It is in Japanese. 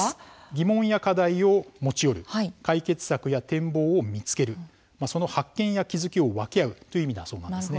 疑問や課題を持ち寄る解決策や展望を見つけるその発見や気付きを分け合うという意味だそうです。